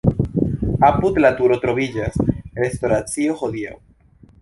Apud la turo troviĝas restoracio hodiaŭ.